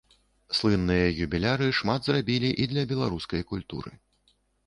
Слынныя юбіляры шмат зрабілі і для беларускай культуры.